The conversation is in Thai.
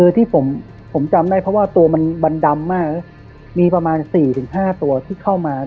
ที่ผมจำได้เพราะว่าตัวมันมันดำมากมีประมาณ๔๕ตัวที่เข้ามา